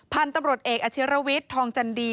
พันธุ์ตำรวจเอกอาชิรวิทย์ทองจันดี